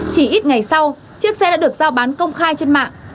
chỉ ít ngày sau chiếc xe đã được giao bán công khai trên mạng